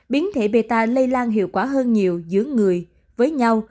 biến thể bê ta lây lan hiệu quả hơn nhiều giữa người với nhau